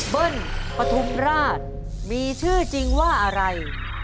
เบิ้ลประถุมราชมีชื่อจริงว่าอะไร